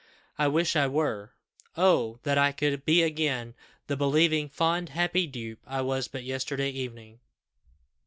I wish I were. Oh! that I could be again the believing, fond, happy dupe I was but yesterday evening!"